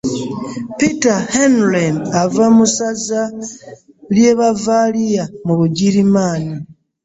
Peter Henlen ava mu ssaza ly’e Bavaaliya mu Bugirimaani.